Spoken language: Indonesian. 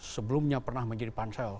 sebelumnya pernah menjadi pansel